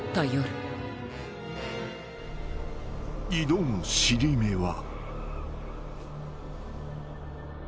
［挑む尻目は］